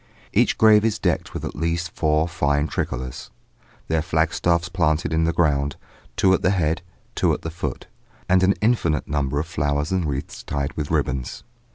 Each grave is decked with at least four fine tricolours, their flagstaffs planted in the ground, two at the head, two at the foot, and an infinite number of flowers and wreaths tied with ribbons.